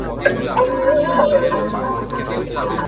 জামায়াত সঙ্গে থাকলে কোনো ধরনের সংলাপ অথবা ঐক্যের প্রশ্নই আসে না।